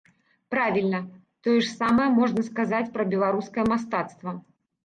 Правільна, тое ж самае можна сказаць пра беларускае мастацтва.